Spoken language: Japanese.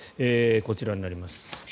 こちらになります。